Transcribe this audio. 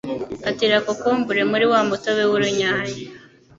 Katira cocombre muri wa mutobe w'urunyanya